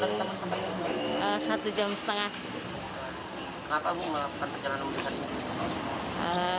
nyari ya senggangnya aja